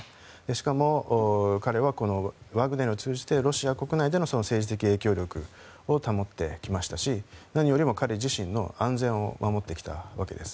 しかも、彼はワグネルを通じてロシア国内での政治的影響力を保ってきましたし何よりも彼自身の安全を守ってきたわけです。